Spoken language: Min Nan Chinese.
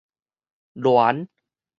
戀